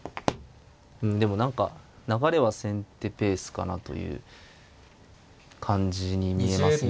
でも何か流れは先手ペースかなという感じに見えますね。